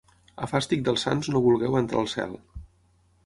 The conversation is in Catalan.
A fàstic dels sants no vulgueu entrar al cel.